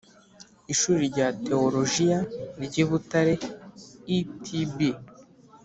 Ishuri rya Tewolojiya ry i Butare E T B